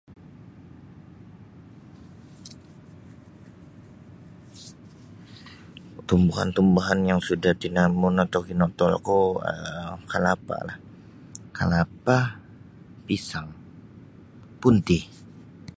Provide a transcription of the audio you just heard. Tumbuhan-tumbuhan yang sudah tinanum dan kinotolku kelapalah kelapa pisang punti.